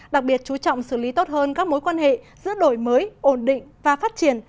đặc biệt chú trọng xử lý tốt hơn các mối quan hệ giữa đổi mới ổn định và phát triển